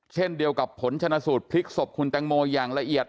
เช่นเดียวกับผลชนะสูตรพลิกศพคุณแตงโมอย่างละเอียด